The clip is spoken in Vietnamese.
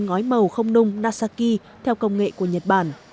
ngói màu không nung nasaki theo công nghệ của nhật bản